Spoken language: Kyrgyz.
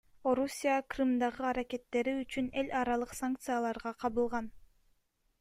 Орусия Крымдагы аракеттери үчүн эл аралык санкцияларга кабылган.